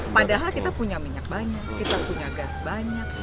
padahal kita punya minyak banyak kita punya gas banyak